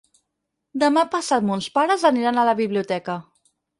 Demà passat mons pares aniran a la biblioteca.